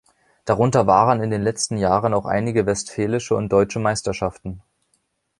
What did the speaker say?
Darunter waren in den letzten Jahren auch einige Westfälische und Deutsche Meisterschaften.